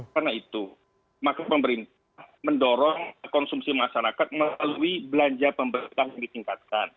karena itu maka pemerintah mendorong konsumsi masyarakat melalui belanja pemberitaan yang ditingkatkan